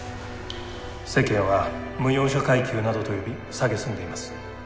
世間は無用者階級などと呼び蔑んでいます。